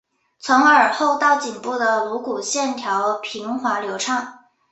从耳后到颈部的颅骨线条平滑流畅。